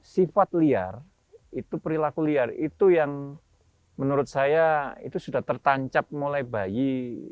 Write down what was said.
sifat liar itu perilaku liar itu yang menurut saya itu sudah tertancap mulai bayi